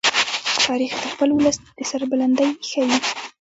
تاریخ د خپل ولس د سربلندۍ ښيي.